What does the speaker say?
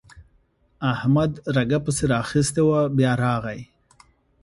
احمد رګه پسې راخيستې وه؛ بيا راغی.